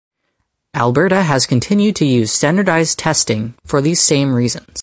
Alberta has continued to use standardized testing for these same reasons.